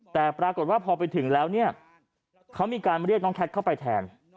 แต่ปรากฏว่าพอไปถึงแล้วเนี่ยเขามีการเรียกน้องแคทเข้าไปแทน